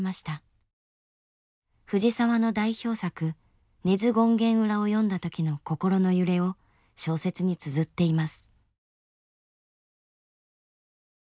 藤澤の代表作「根津権現裏」を読んだ時の心の揺れを小説につづっています。